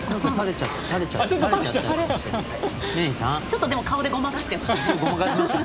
ちょっとでも顔でごまかしてます。